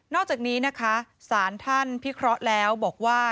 อกจากนี้นะคะสารท่านพิเคราะห์แล้วบอกว่า